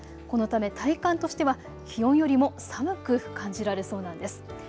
このため体感としては気温よりも寒く感じられそうなんです。